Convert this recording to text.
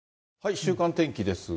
週間天気ですが。